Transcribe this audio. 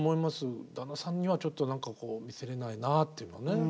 旦那さんにはちょっと何かこう見せれないなっていうのね。